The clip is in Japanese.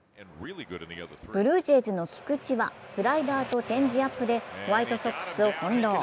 ブルージェイズの菊池はスライダーとチェンジアップでホワイトソックスをほんろう。